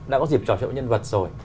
đã có dịp trò chậu nhân vật rồi